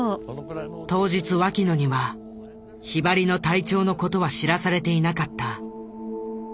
当日脇野にはひばりの体調の事は知らされていなかった。